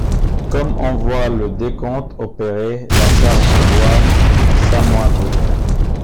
Comme on voit, le décompte opéré, la charge du roi s’amoindrit.